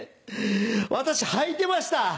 私履いてました。